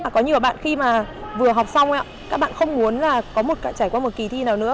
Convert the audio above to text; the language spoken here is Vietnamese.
có nhiều bạn khi mà vừa học xong các bạn không muốn là có một trải qua một kỳ thi nào nữa